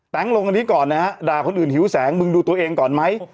ลงอันนี้ก่อนนะฮะด่าคนอื่นหิวแสงมึงดูตัวเองก่อนไหม